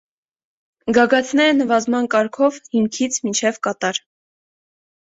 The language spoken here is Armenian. Գագաթները նվազման կարգով «հիմքից մինչև կատար»։